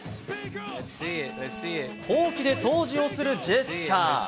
ほうきで掃除をするジェスチャー。